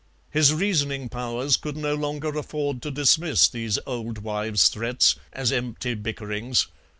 His reasoning powers could no longer afford to dismiss these old wives' threats as empty bickerings.